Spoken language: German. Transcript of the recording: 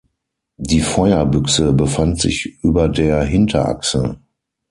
Die Feuerbüchse befand sich über der Hinterachse.